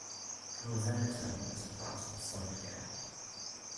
Guevenatten is a part of the Sundgau.